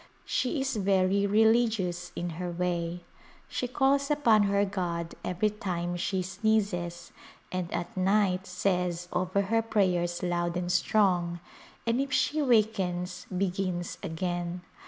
She is very religious in her way. She calls upon her god every time she sneezes, and at night says over her prayers loud and strong, and if she wakens begins again.